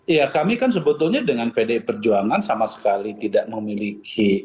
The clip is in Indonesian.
ya kami kan sebetulnya dengan pdi perjuangan sama sekali tidak memiliki